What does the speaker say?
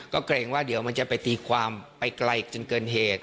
ก็เกรงว่าเดี๋ยวมันจะไปตีความไปไกลจนเกินเหตุ